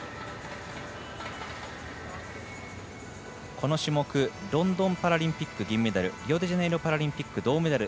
この種目ロンドンパラリンピック銀メダルリオデジャネイロパラリンピック銅メダル